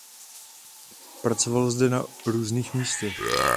Pracoval zde na různých místech.